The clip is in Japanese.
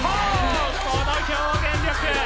この表現力！